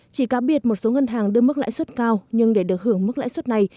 chỉ cá biệt một số ngân hàng đưa mức lãi suất cao nhưng để được hưởng mức lãi suất này